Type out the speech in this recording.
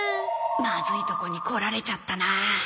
まずいとこに来られちゃったなあ